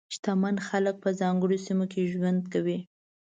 شتمن خلک په ځانګړو سیمو کې ژوند کوي.